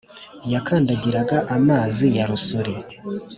Yakandagiraga amazi ya Rusuri